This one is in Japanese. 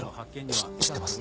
し知ってます。